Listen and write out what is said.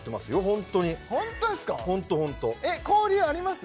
ホントホントえっ交流あります？